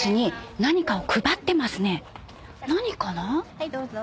はいどうぞ。